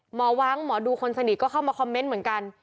ว้างหมอดูคนสนิทก็เข้ามาคอมเมนต์เหมือนกัน